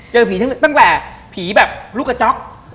เจอผีทั้งเรื่องตั้งแต่ผีแบบลูกกระจ๊อก